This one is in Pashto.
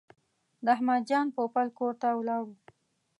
د احمد جان پوپل کور ته ولاړو.